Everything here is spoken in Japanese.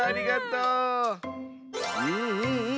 うんうんうん。